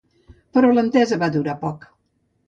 Però l'entesa va durar poc.